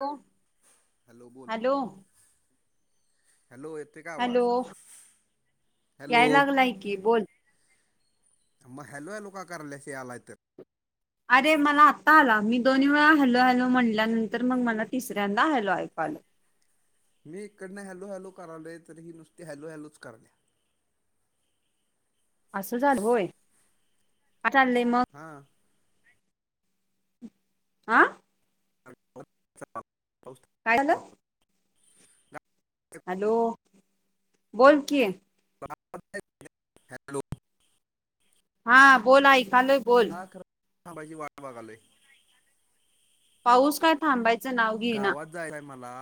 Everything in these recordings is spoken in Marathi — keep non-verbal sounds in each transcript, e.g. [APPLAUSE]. [UNINTELLIGIBLE] हॅलो, हॅलो येते का हॅलो. आवाज हॅलो याय लागलाय कि बोल, मग हॅलो हॅलो का कराल्सास यालाय तर, अरे मला आता आला, मी दोन्ही वेळा हॅलो हॅलो म्हणल्यानंतर मग मला तिसऱ्यांदा हॅलो ऐकू आलं. [INAUDIBLE] मी इकडन हॅलो हॅलो करालोय. तर ही नुसती हॅलो हॅलोच कराल्या. असं झालं होय, काय चाललंय मग हा आं, काय झालं [UNINTELLIGIBLE] हॅलो बोल कि [UNINTELLIGIBLE] हा बोल आयकालय बोल हाबाजी वाळ वाघ आले पाऊस काय थांबायचं नाव घेना गावात जायचंय मला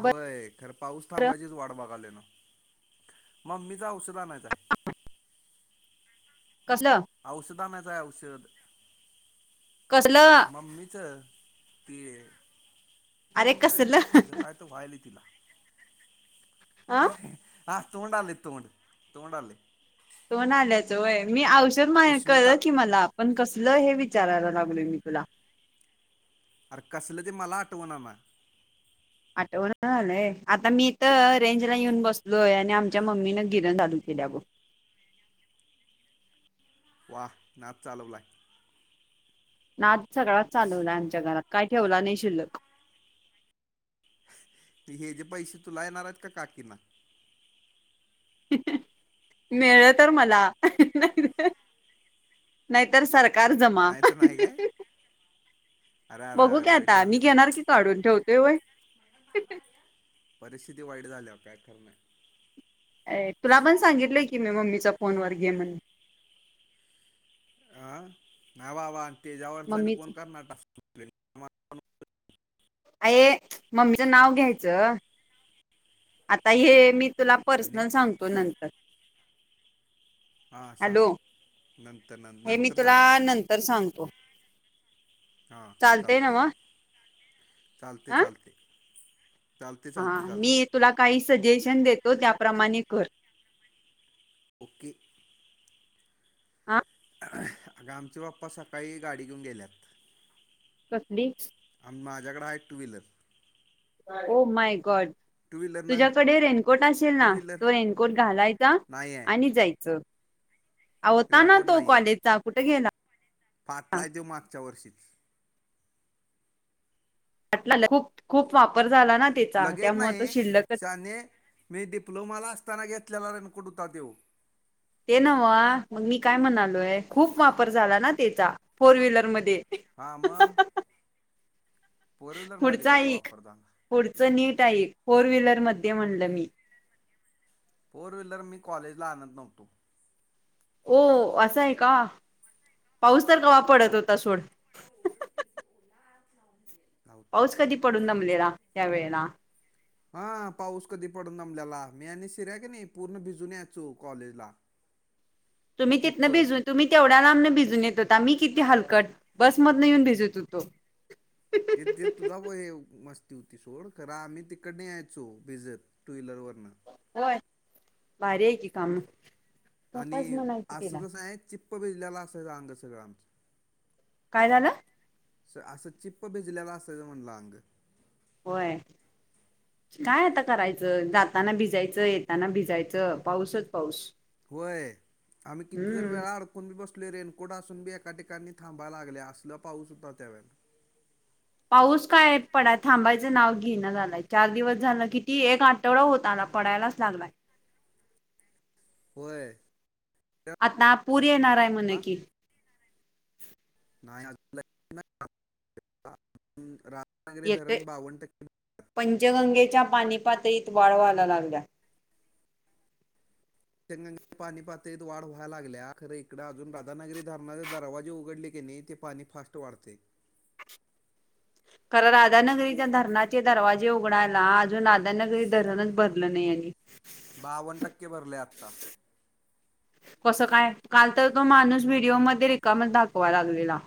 होय खर पाऊस बरं थांबाचीच वाढ बघाले ना मगमीचा उशरा नाहीचाय कसलं औषधनाचय औषध कसलं [UNINTELLIGIBLE] मम्मीच ते अरे काय कसलं तिचं काय तर व्हायल तिला आं हां तोडाली तोड तोंड आली तोन आल्याचय मी औषध मा उष्णता कर की मला आपण कस तलं हे विचारायला लागल मी तुला कसलं ते मला आठवण ना आठवण झालंय आता मी इ तर रेंज ला येऊन बसलोय आणि आमच्या मम्मीन गिरण झालू [UNINTELLIGIBLE] वाह नाच चालवलाय ना आज सगळाच चालवला आमच्या घरात काय ठेवला नाही शिल्लक हे जे पैसे तूला येणार आहेत का काकीना मिळलं तर मला नाही नाहीतर सर जमा नाही तर नाही काय अरे अरे बघू अरे का वाईट आता मी झाले घेणार मग की काढून ठेवत ते परिस्थिती वाईट झाल्या काय खर नाही कि मी मम्मीचा फोन व गेमन अं ना वा वा तेच्यावरचंने मम्मीच कोण करणार टाक अ मम्मीचं नाव घ्यायचं आता हे मी तुला आणि पर्सनल सांगतो नंतर हां सांग हॅलो नंतर नं हे मी नंतर तुला नंतर सांगतो हा चालतंय ना चालते मग चालते हा चालते चालते हा चालते चालते मी तुला काही सजेशन देतो त्याप्रमाणे कर उके हा आमचे बाप्पा सकाळी गाडी घेऊन गेल्यात कसली माझ्याकडे आहेा two wheeler my God two wheeler ना तुझ्याकडे रेनकोट असेल टू ना व्हीलर तो रेनकोट घालायचा नाही आहे आणि जायचं होता ना तो कॉलेजचा कुठे गेला पाटलाय देऊ मागच्या वर्षीच ट खूप खूप वा लगेच नाही शने मी डिप्लोमाला असताना घेतलेला कडुता देव ते नव मग मी काय म्हणालोय खूप वापर झाला ना त्याचा फोर व्हीलर मध्ये हा आम पुढ वापरताना पुढच नीट फोर व्लर मध्ये म्हणलं मी फोर व्हीलर मी कॉलेजला आणत नव्हतो हो असंय का पाऊस तर कावा पडत होता सोड लावतो पाऊस कधी पडून जमलेला त्यावेेळेला हा पाऊस कधी पडून जमल्याला मी आणि शिर्या क नाही पूर्ण भिजून यायचो कॉलेजला तुम्ही चिप्प तिथं भिजून तुम् तेवढ्या नां भिजून येत आता मी किती हलकट बसमधन येऊन भेजत होतो ते ते तुझा मस्ती होती सोड खरा आम्ही तिकड न यायचो भिजत टू व्हीलर व होय ब आहे की काम आणि पप्पाच म्हणाल की असं तिला कसं आहे चिप्प भिजलेला असाय अंग सगळं आमचं काय झालं असं चिप्प भिजलेला असा म्हणलं अंग होय काय आता करायचं जाताना भिजायचं येताना भिजायचं पाऊसच पाऊस होय आम्ही किती जर हम्म वेळा अडकून बी बसतो आपले रेनकोट असून बी एका ठिकाणी थांबा लागले असल पाऊस होता त्यावेळे पाऊस काय पड थांबायचं नाव घेणं झालंय चार दिवस झालं किती एक आठवडा होत आला पडायलाच लागलाय वर आताता पूरी ये नाराय म्हणे की नाही यथ धरण बावन्न टक्के पंचगंगे पाणी पातळी त वाळ वाला लागला ्यंग पाणी पातळीत वाढ व्हायला लागल्या खर इकडे अजून राधानगरी धरणाचे दरवाजे उघडले क नाही पाणी फास्ट वाढते [INAUDIBLE] कारण राधानगरीच्या धरणाचे दरवाजे उघडायला अजून राधानगरी धरणच भरलं नाही यांनी बावन टक्के भरले आता कस काय काल तर तो माणूस व्हिडिओमध्येध्ये रिकामच दाखवाय लागलेला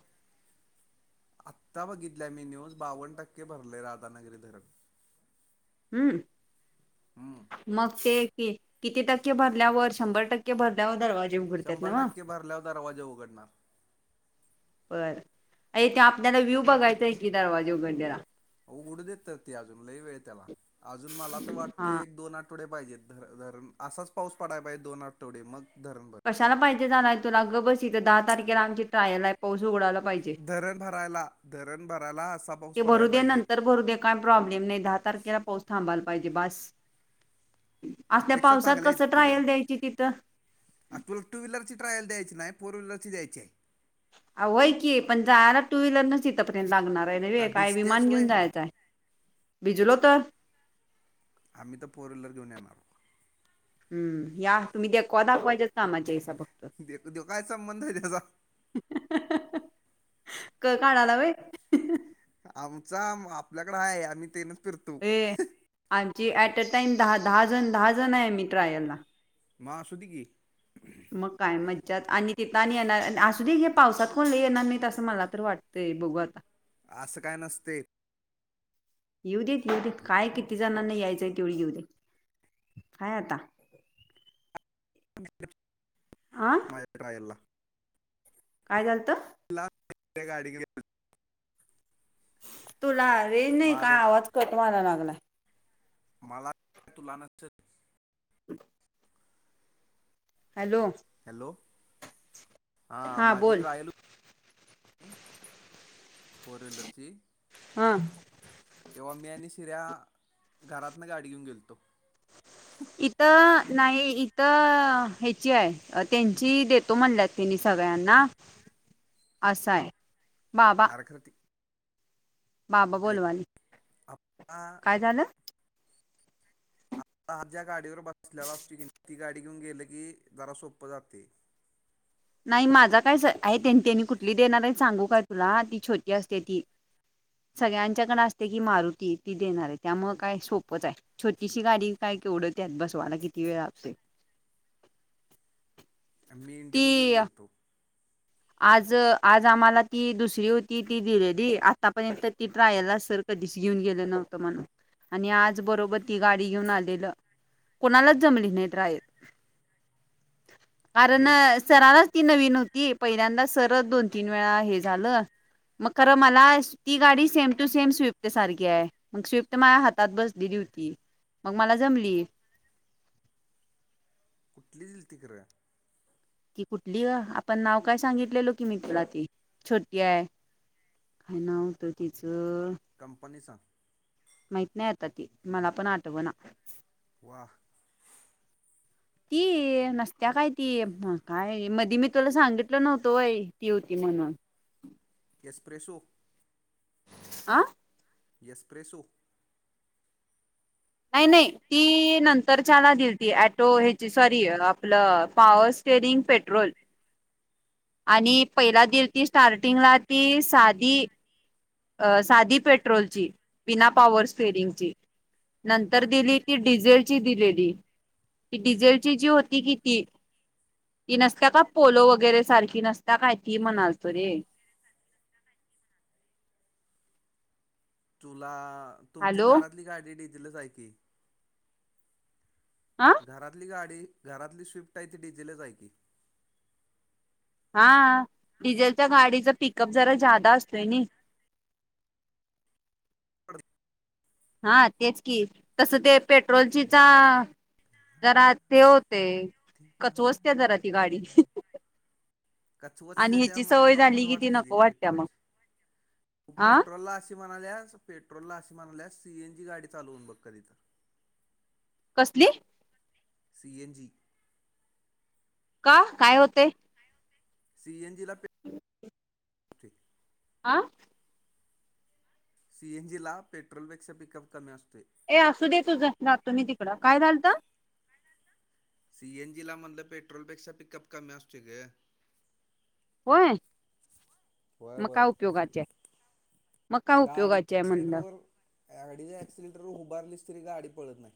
आत्ता बघितल्या मी न्यूज बावन्न टक्के भरले राधानगरी धरण हम्म हम्म मग ते किती टक्के भरल्यावर शंभर टक्के भरल्यावर दरवाजे उघडतात ना शंभर मग टक्के भरल्यावर दरवाजे उघडणार बर अ ते आपल्याला व्ह्यू बघायचं आहे की दरवाजे उघडलेला उघडू देत तर ती अजूनला वेळ त्याला अजून मला तर वाटत हा एक दोन आठवड्या पाहिजेर असाच पाऊस पडाय पाहिजे दोन आठवडे मग धरण भर कशाला पाहिजे झालाय तुला ग बस इथं दहा तारखेला आमची ट्रायल आहे. पाऊस उघडायला पाहिजे धरण भरायला धरण भरायला अस ते भरू दे्या नंतर भरू दे काय प्रॉब्लेम नाही दहा तारखेला पाऊस थांबा पाहिजे बास. असल्या अपेक्षा पावसात चांगल्या आहेत कसं तुझ्या ट्रायल द्यायची तिथं आ तुला टू व्हीलरची ट्रायल द्यायची नाही फोर वहीलर दयची अऐ क पण जायला टू व्हीलर नच इथपर्यंत लागणार काही का नाही काय भिजतेस विमान वय घेऊन जायचंय भिजलो तर आ् तर फोर व्ीललर जोनणार हम् या तुम्ही द कवा दाखवायच्याच का आमझच्या हिसाबघ दे दे काय संबंध आहे त्याचा क काढला भाई आमचा आपल्याकडे आहेय आम्ही तेनच फिरतो जी ऍट अ टाइम दहा दहा जण दहा जण आहे मी ट्रायलला मा असधिक मग काय मज्जात आणि तिथं आणि येणार असू दे हे पावसात कोण येणार नाहीत असं मला तर वाटतंय ते बघू आता. असं काय नसतेय. येऊ देत येऊ देत काय किती जणांना यायचंय तेवढी येऊ दे. हाय आता. आ माय रायल [UNINTELLIGIBLE] काय झालतं. गाडी [UNINTELLIGIBLE] तुला रेज नाही का माझा आवाज कटवायला लागलाय. मला तुलाना नसतात. [INAUDIBLE] हॅलो हॅलो हा माझी ट्रायल हू हे फोर व्हीलर ची. ह. तेव्हा मी आणि शिऱ्या घरातन गाडी घेऊन गेलतो. इथं नाही इथं ह्याची आहे, त्यांची देतो म्हणल्यात त्यांनी सगळ्यांना. असा हाय. आर्हृती. बाबा बोलवालय आपला काय झालं. आझ्या गाडीवर बसलेला [UNINTELLIGIBLE] असत की नाही ती गाडी घेऊन गेल की, जरा सोप जातेय. नाही माझा काय स आहे, त्यांनी त्यांनी कुठली देणार आहे, सांगू काय तुला ती छोटी असते ती. सगळ्यांच्याकडे असते की मारुती ती देणार आहे, त्यामुळे काय सोपच आहे, छोटीशी गाडी काय. की उडतत बसवाला किती वेळ लागतोय. मी इंडिको घेऊन ती गेलतो. आज आज आम्हाला ती दुसरी होती, ती दिलेली आतापर्यंत ती ट्रायल सर कधीच घेऊन गेलं नव्हत म्हणून आणि आज बरोबर ती गाडी घेऊन आलेलं. कोणालाच जमली नाही ट्रायल. कारण कुठली सरलाच ती नवीन होती. पहिल्यांदा सर दोन तीन वेळा हे झालं मग खर मला स्वि ती गाडी सेम टू सेम स्विफ्ट सारखी आहे, स्विफ्ट माझ्या हातात बसलेली. तर ती म मला जमली. कुठली दिलती खरं. ती कुठली ग आपण नाव काय सांगितलेलो की मी तुला, ती छोटी आहे. काय नाव होतं तिचं, कंपनीचाां, माहित नाही आता, ती मला पण आठवना, व, की ते नसत्या काय ती काय मध मी तुला सांगितलं नव्हत ती होती म्हणून [INAUDIBLE] एक्सप्रेसो. आ. यसप्रेसो. नाही नाही ती नंतरचला दिल ती ऍटो हची सॉरी आपलं पावस स्टेरिंग पेट्रोल. आणि पहिला दिल ती स्टार्टिंगला ती साधी अ साधी पेट्रोलची बिना पॉवर स्टेरिंगची. वा नंतर दिली ती डिझेलची. ती दिलेली डिझेलची जी होती कि ती. ती नसता का पोलो वगैरे सारखी नसता काय ती म्हणाल तो रे. [INAUDIBLE] तुला तुमची हॅलो घरातली गाडी डिझेल च आहे की, आ घरातली गाडी घरातली स्विफ्ट, आहे ती डडीझेलच हाय की, हा डिझेलच्या गाडीचा पिकअप जरा, जादा असतोय न, [INAUDIBLE] हा तेच की तसं ते पेट्रोलचीचा ह्या जरा ते, ते कचवस्त जराची गाडी, कछ आणि वचते, ह्याची त्यामुळे सवय नकोच झाली की वाटते ती नको वाटत्या पेट्रोल मग ची, हा पेट्रोलला म्हणाल्यास पेट्रोलला अशी, म्हणाल्यास सीएन जी गाडी चालूून बघ कधी तर, कुठली, सीएन जी, का काय होते, सीएन जीला, [UNINTELLIGIBLE] [UNINTELLIGIBLE] आ, सीएन जी ला, पेट्रोलपेक्षा पिकअप कमी असत. ए असू दे तुझ राह, तु मी तिकडं काय झालत? सीएन जी ला म्हधलं, पेट्रोल पेक्षा पिकअप कमी असते ग, होय होय म होय काय उपयोगाचे, मग काय गाडी उपयोगाचे आहे एक्सिलेटर म्हणलं वाडी गाडीच्या, एक्सिलेटर व उभारली तरी गाडी पळणा,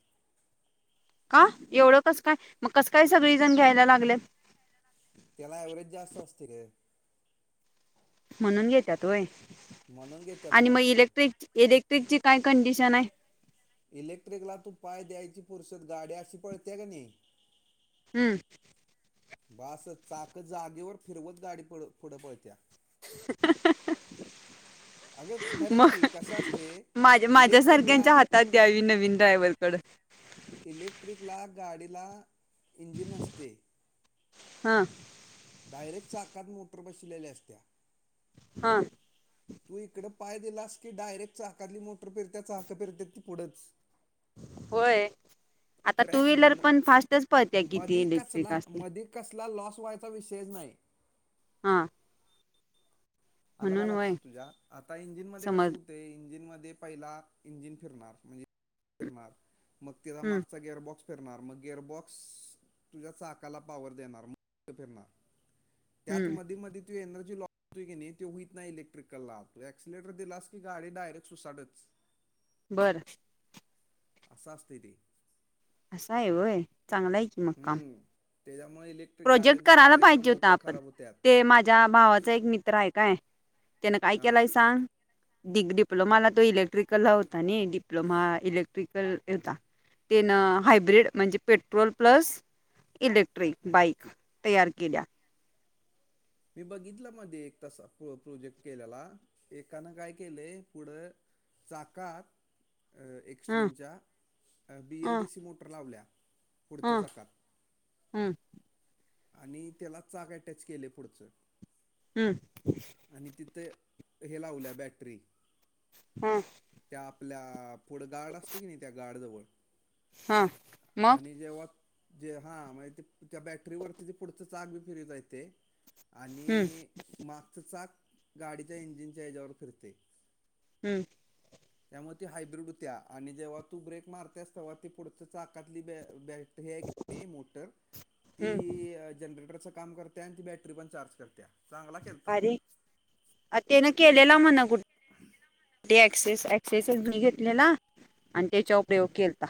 का एवढं कस काय मग कस काय, सगळी जण घ्यायला लागल्यात. त्याला एव्हरेज जास्त असतय ग, म्हणून घ्याच्या व्य, म्हणून घेतात आणि मग माणसं. इलेक्ट्रिक त्याची काय कंडिशन आहे. इलेक्ट्रिकला तू पाय द्यायची पुरुसद, गाडी्या अशी पळते का नाही. हम्म बस चाक जागेवर फिरवत, गाडी पुढं पडत्या, [UNINTELLIGIBLE] अग मग खरंच की कसं असत, माझ्या माझ्या सारख्यांच्या हातात द्यावी, नवीन ड्रायवर कडं, इलेक्ट्रिकला गाडीला इंजिन नसतय. हा डायरेक्ट चाकात मोटर बसलेल्या असत्या हा तू इकड पाय दिलास की डायरेक्ट चाकातली मोटर पिरत चाहक पिरत्या ती पुढच होय, आता टू ्रॅक व्हीलर पण फास्टच पळत्या मध किती कस इलेक्ट्रिक असते मध कसला लॉस व्हायचा विषय, नाही हा अल काय म्हणून वय लक्ष्यात, तुझ्या आता इंजिन मध्ये कस समज होतें इंजिन म, ते पहिला इंजिन फिरणार म्हणजे, मग तेचा हम्म मागचा गेर बॉक्स फिरणार, फिरणार मग गिअरबॉक्स तुझ्या, चाकाला पावर देणार म फिरणार, त्यात हम्म मध मधी, तू एनर्जी लॉस हो की नाही, ते होईत नाही इलेक्ट्रिकलला, तो एक्सिलेटर दिलास की गाडी डायरेक्ट सुसाट च, बरं असशा स्थिती असा आहे वय चांगला आहे कि मक्काम हम्म त्याच्यामुळे इलेक्ट्रिक प्रोजेक्ट गाड्यांचे करायला टायर पण पाहिजे होता लवकर आपण खराब होत्यात ते माझ्या भावाचा एक मित्र आहे काय त्यानं काय हां केलंय सांग डिग्री डप्लोमाला तो इलेक्ट्रिकल ह होता ना डिप्लोमा इलेक्ट्रिकल होता तेन हायब्र्रीड म्हणजे पेट्रोल प्लस इलेक्ट्रिक बाईक तयार केल्या मी बघितलं मध्ये एक तसा प्रोजेक्ट केल्याला एकानं काय केलंय पुढं चाकात ह एक्स्ट्रीमच्या बी एल ह डी सी मोटर लावल्या पुढच्या जकात हम् आणि त्याला चाक अटॅच केले पुढचं हम्म आणि तिथे हे लावल्या बॅटरी हा त्या आपल्या पुढं गार्ड असते की नाही त्या गार्डजवळ हा मग आणि जेव्हा जे हा म्हणजे ते त्या बॅटरीवररती ते पुढच चाग बी फिरता येत हम्म आणि मागचचाक गाडीच्या इंजिनच्या हच्यावर फिरते हम्म त्यामुळे त हायब्र्रीड होत्या आणि जेव्हा तू ब्रेक मारतेस तेव्हा ती पुढ चाकातली हे मोट त हम्म जनरट काम करत आणि ती बॅटरी पण चार्ज करत अरे अ तेन केलेला म्हणा कुठे पाणी पातळी क्सेस एक्सेसच मी घेतलेला आणि त्याचापयोग केता